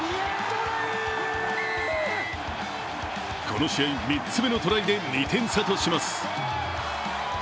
この試合３つ目のトライで２点差とします。